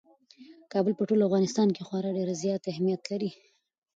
کابل په ټول افغانستان کې خورا ډېر زیات اهمیت لري.